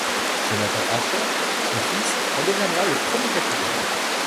Jonathan Archer, son fils, en deviendra le premier capitaine.